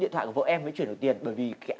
thế em buồn cười nhỉ